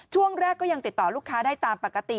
ช่วงแรกก็ยังติดต่อลูกค้าได้ตามปกติ